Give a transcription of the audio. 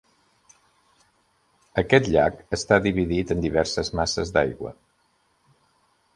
Aquest llac està dividit en diverses masses d'aigua.